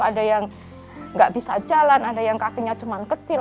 ada yang nggak bisa jalan ada yang kakinya cuma kecil